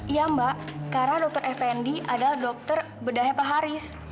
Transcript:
iya mbak karena dokter fnd adalah dokter bedahnya pak haris